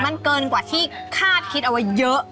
มันเกินกว่าที่คาดคิดเอาไว้เยอะ